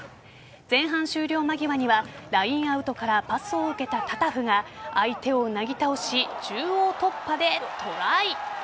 前半終了間際にはラインアウトからパスを受けたタタフが相手をなぎ倒し中央突破でトライ。